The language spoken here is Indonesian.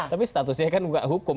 tapi statusnya kan bukan hukum